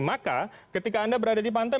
maka ketika anda berada di pantai